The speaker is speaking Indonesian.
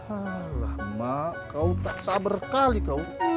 alah mak kau tak sabar sekali kau